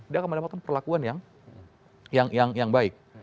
dia akan mendapatkan perlakuan yang baik